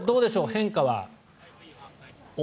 変化は。